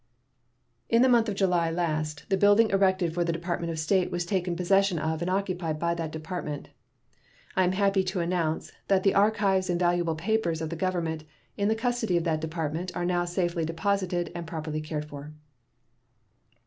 In the month of July last the building erected for the Department of State was taken possession of and occupied by that Department. I am happy to announce that the archives and valuable papers of the Government in the custody of that Department are now safely deposited and properly cared for.